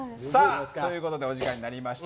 お時間になりました。